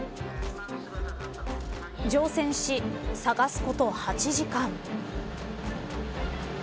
乗船し、探すこと８時間。